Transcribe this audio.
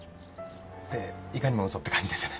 っていかにも嘘って感じですよね。